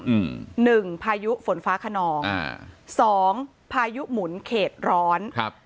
อืมหนึ่งพายุฝนฟ้าขนองอ่าสองพายุหมุนเขตร้อนครับ